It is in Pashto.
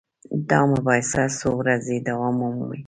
دا مباحثه څو ورځې دوام مومي.